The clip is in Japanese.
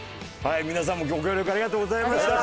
皆さんもご協力ありがとうございました。